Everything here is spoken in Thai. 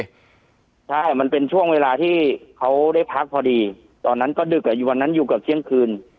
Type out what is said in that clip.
ใช่มันเป็นช่วงเวลาที่เขาได้พักพอดีตอนนั้นก็ดึกอ่ะอยู่วันนั้นอยู่เกือบเที่ยงคืน